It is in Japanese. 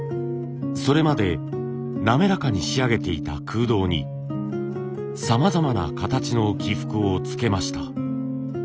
それまで滑らかに仕上げていた空洞にさまざまな形の起伏をつけました。